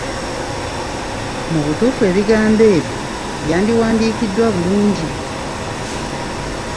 Mu butuufu ebigambo ebyo byandiwandiikiddwa bulungi!